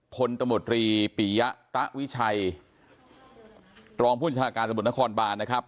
พลตมตรีปียะตะวิชัยรองผู้จัดการสมุทรนครบาลนะครับ